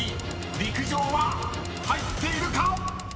［陸上は入っているか⁉］